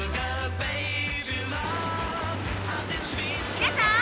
「皆さん。